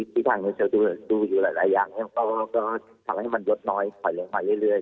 ที่ทางนี้เชิญดูอยู่หลายอย่างก็ทำให้มันลดน้อยค่อยเรื่อย